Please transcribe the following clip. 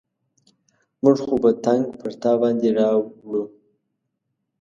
موږ خو به تنګ پر تا باندې راوړو.